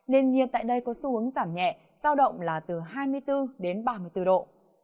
nền nhiệt tại đây có xu hướng giảm nhẹ giao động là từ hai mươi bốn đến ba mươi bốn độ